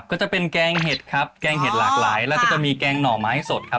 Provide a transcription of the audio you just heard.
ก็จะเป็นแกงเห็ดครับแกงเห็ดหลากหลายแล้วก็จะมีแกงหน่อไม้สดครับ